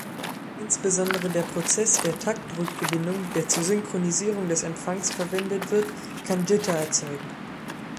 Insbesondere der Prozess der Taktrückgewinnung, der zur Synchronisierung des Empfangs verwendet wird, kann Jitter erzeugen.